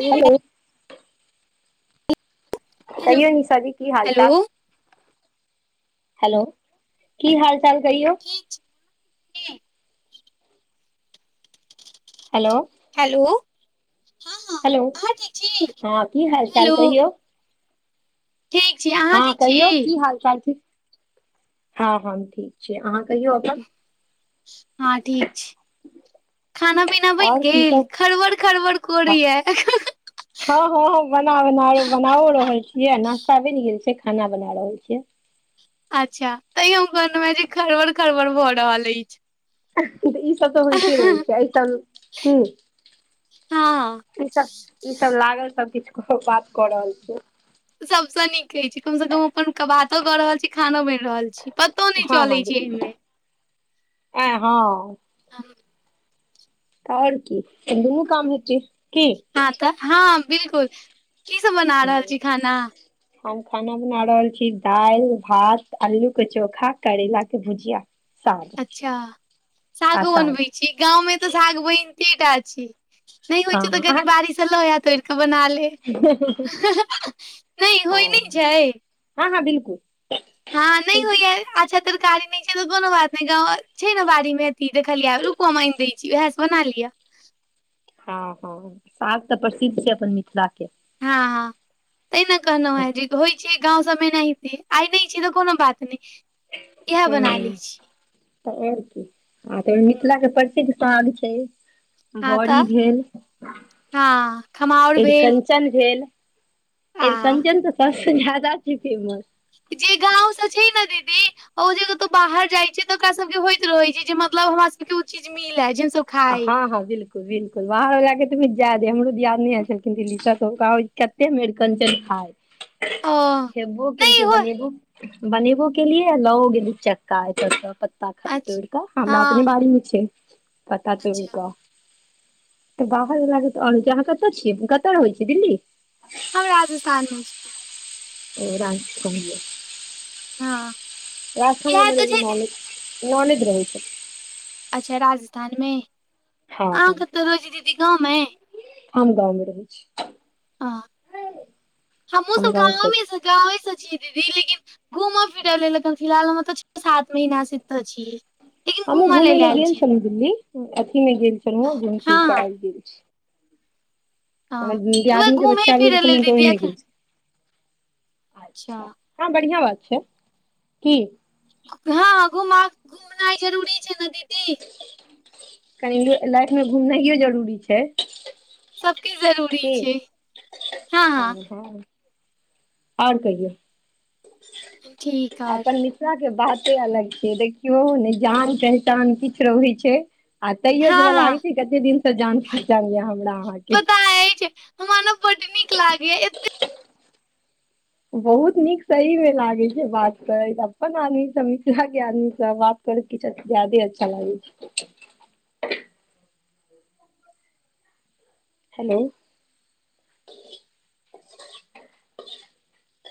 Hello hello. कहियौ निशा जी की हाल चाल? हेलो हलो की हाल चाल कहियो? ठीक छी हेलोउ। हेलो हँ हँ हेलो अहाँ ठीक छी हँ की हाल चाल हेलो कहियौ? ठीक छी अहाँ हँ ठीक कहियौ छी की हाल चाल छै, हँ हम ठीक छी, अहा कहियौ? अपन हँ ठीक छी। खाना पीना बनि आओर की गेल सब खरबड़ - खरबड़ कोरये? हँ - हँ ह बना- बना बनाओ रहल छियै न नास्ता बनि गेल छै, खाना बना रहल छियै। अच्छा तइयो हम कहनो है जे खड़बड़ -खड़बड़ भऽ रहल अइछ। ई सब तऽ होइते रहैत छै, एई सम की। हँ ई सब ई सब लागल सब किछु बात कऽ, रहल छय। सभसँ नीक कहैत छै, कमसँ कम अपन बातो कऽ रहल छी खानो बइन रहल छी। पतो नई हँ हँ चलै छै, एहिमे [inaudible] आ ओर कि दुनू काम हेतै की। हँ तऽ हँ बिलकुल की सब बना रहल छी खाना हम खाना बना रहल छी, दाईल भात आलू के चोखा करैेलाक के भुजिया साग अच्छा आ सागो साग बनबे गाँव मे तऽ साग बाइनते टा छी, नइ होइ हँ छै तऽ हँ कनि बारि स त लोया तोड़िके बना ले [inaudible] नहि होइ अहाँ नहि छै हँ -हँ बिलकुल हँ नहि होइ या अच्छा तरकारी नइ छै तऽ, कोनो बात नइ गाँवआर छै ने बाड़ी मे अथी देखलियै रुकु हम आनि दै छी, उएह से बना लिया हँ -हँ साग तऽ, प्रसिद्ध छै, अपन मिथिला के हँ - हँ तेइ ने कहलहु हूँ है जे होइ छै गाँव सबमे नहिते आइ नइ छय तऽ कोनो बात नए हू तऽ ओर की आ तइमे मिथिला के प्रसिद्ध साग छै हँ बड़ी तऽ भेल हँ खमहाउर भेल अरिकंच चन भेल आ अरीकंचन तऽ, सबसे जदा छै फेमस जे गाँवसँ छै ने दीदी ओ जेकतो बाहर जाइ छै तऽ, ओकरा सबके के होइत रहे छै, जे मतलब हमरा सबके ओ चीज मिलै जिन सब हँ - हँ बिलकुल - बिलकुल बाहर वाला के कि जाय दे हमरो दियादनी एल छलखिनि हे दिल्ली सँ हुनका होय कते कते हम अरिकंचन खाय ओ खेबो नहि केलकै हो बनेबो बनेबो के लिए लाओ गेली चक्का एता सा पत्ता अच्छ तोड़िकऽ हमरा अपने हँ बाड़ी में छै, पत्ता अच्छा तोड़िकऽ तऽ बाहर वाला के त ओर किया अहाँ कता छियै कता रहेय छिय दिल्ली हम राजस्थान मे छी ओ राजस्थान कहलिए हँ राजस्थान मे इएह हमर तऽ एगो छै ननेद- ननेद रहै छै अच्छा राजस्थानमे अहाँ क तऽ रोहे छी दीदी गाँवमे आम दइल बनबई छी, ह हमहुँ हम सब गाँव से गाँवमे छी सँ गाँव यो छी दीदी लेकिन घूमय फिरऽ लेल फिलहाल हम ऐता छी सात महिना से एतऽ छी। लेकिन हमहु घूमऽ घूमे लेल ले आयल गेल छी छलहुँ दिल्ली अथी मे गेल छलहुं घूम फिर के हँ आयल गेल छी। हमर हँ तऽ वैह दीयादनी के घूमे बच्चा भेल फिरै लेल छला ओह दीदी मे एखन गेल छलो अच्छा हँ बढ़िआँ बात छै की हँ हँ घुम घुमनाइ जरूरी छै ने दीदी। कनि लाइफ मे घुमनायो जरूरी छै। सबके जरूरी छै हँ हँ। और कहिओ ठीक आओर अपन मिथ मिथिला के बाते अलग छै देखियौ ने जान पहचान किछ रहै छै आ तैयो हँ जेना हँ लागैत छै कते दिन से जान पहचान ये हमरा अहाँके। हमा ना बड नीक लागै या एते बहुत नीक सही मे लागे छै बात करेत अपन आदमी सब मिथिला के आदमी सब बात कुछ जादे अच्छा लागै छै। हेलोउ।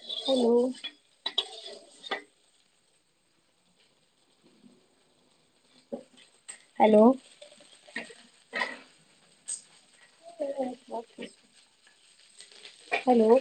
हेलो। हेलो। हेलो।